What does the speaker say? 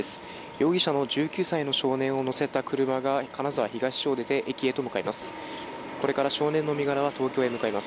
容疑者の１９歳の少年を乗せた車が、金沢東署を出て、駅へと向かいます。